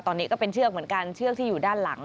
ตอนนี้ก็เป็นเชือกเหมือนกันเชือกที่อยู่ด้านหลัง